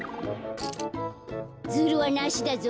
ズルはなしだぞ。